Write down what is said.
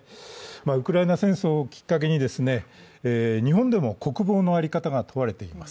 ウクライナ戦争をきっかけに日本でも国防の在り方が問われています。